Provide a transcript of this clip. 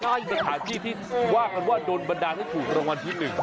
ก็เหลือสถานที่ที่ว่ากันว่าโดนบรรดาร้านนั้นถูกรางวัลที่หนึ่ง